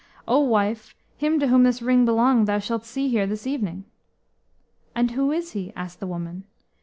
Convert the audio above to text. "O wife, him to whom this ring belonged thou shalt see here this evening." "And who is he?" asked the woman.